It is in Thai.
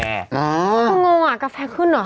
ก็คืองงว่ากาแฟขึ้นเหรอครับ